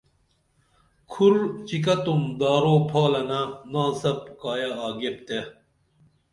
کُھر چکتُم دارو پھالنہ ناڅپ کایہ آگیپ تے